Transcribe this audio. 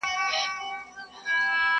o آس د خرو په ډله کي خر سي٫